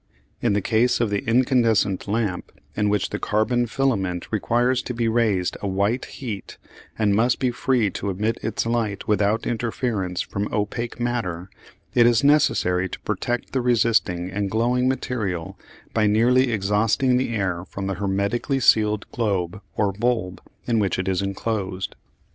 In the case of the incandescent lamp, in which the carbon filament requires to be raised to a white heat and must be free to emit its light without interference from opaque matter, it is necessary to protect the resisting and glowing material by nearly exhausting the air from the hermetically sealed globe or bulb in which it is enclosed.